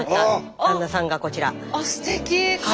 あすてき！